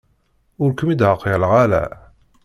Ur kem-id-ɛqileɣ ara.